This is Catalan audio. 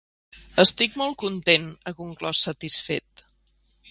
Estic molt content, ha conclòs satisfet.